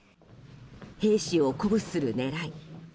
兵士を鼓舞する狙い。